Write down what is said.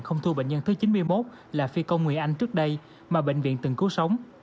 không thu bệnh nhân thứ chín mươi một là phi công người anh trước đây mà bệnh viện từng cứu sống